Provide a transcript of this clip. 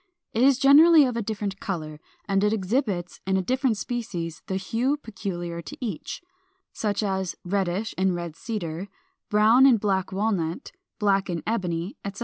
It is generally of a different color, and it exhibits in different species the hue peculiar to each, such as reddish in Red Cedar, brown in Black Walnut, black in Ebony, etc.